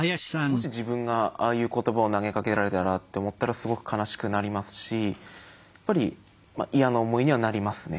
もし自分がああいう言葉を投げかけられたらって思ったらすごく悲しくなりますしやっぱり嫌な思いにはなりますね。